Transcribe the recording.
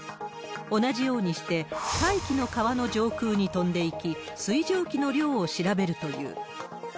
同じようにして、大気の川の上空に飛んでいき、水蒸気の量を調べるという。